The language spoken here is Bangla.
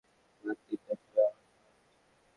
রাত তিনটার সময় আমার ফ্লাইট।